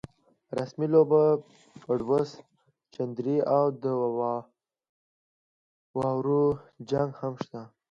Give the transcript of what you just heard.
رسمۍ لوبه، پډوس، چندرۍ او د واورو جنګ هم شته.